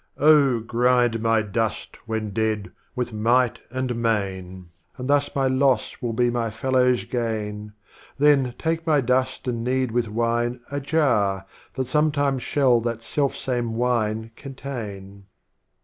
VI. Oh grind My dust when dead with Might and Main, And thus my Loss will be my Fellow's Gain, Then take my Dust and knead with Wino a Jar, That sometime shall that self same Wine contain.